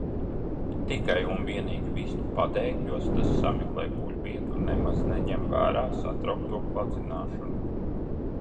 Tikai un vienīgi vistu padēkļos tas sameklē guļvietu un nemaz neņem vērā satraukto kladzināšanu.